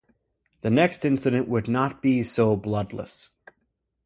The next incident would not be so bloodless.